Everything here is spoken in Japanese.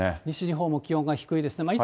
西日本も気温が低いですね。